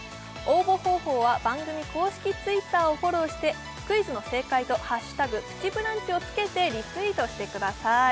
応募方法は番組公式Ｔｗｉｔｔｅｒをフォローしてクイズの正解と「＃プチブランチ」を付けてリツイートしてください